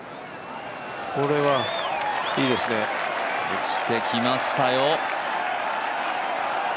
落ちてきましたよ。